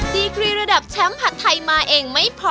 ดีกรีระดับแชมป์ผัดไทยมาเองไม่พอ